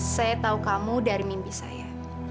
saya tahu kamu dari mimpi saya